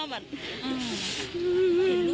โชว์บ้านในพื้นที่เขารู้สึกยังไงกับเรื่องที่เกิดขึ้น